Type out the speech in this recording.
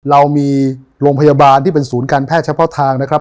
เรามีโรงพยาบาลที่เป็นศูนย์การแพทย์เฉพาะทางนะครับ